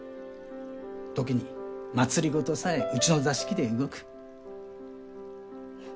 時に政さえうちの座敷で動く。